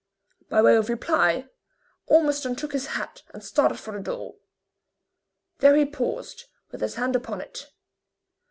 By way of reply, Ormiston took his hat and started for the door. There he paused, with his hand upon it.